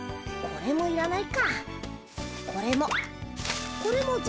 これもいらない。